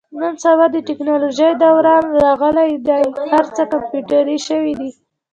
نن سبا د تکنالوژۍ دوران راغلی دی. هر څه کمپیوټري شوي دي.